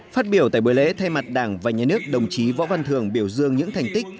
phát biểu tại buổi lễ thay mặt đảng và nhà nước đồng chí võ văn thường biểu dương những thành tích